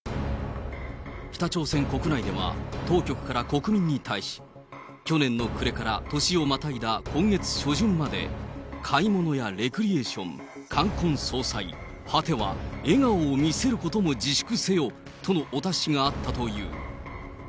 北朝鮮国内では当局から国民に対し、去年の暮れから年をまたいだ今月初旬まで、買い物やレクリエーション、冠婚葬祭、果ては笑顔を見せることも自粛せよとのお達しがあったという。